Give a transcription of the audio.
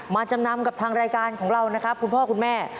จำนำกับทางรายการของเรานะครับคุณพ่อคุณแม่